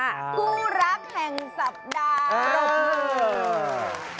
คู่รักแห่งสัปดาห์